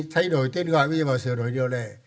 thay đổi tên gọi bây giờ sửa đổi điều lệ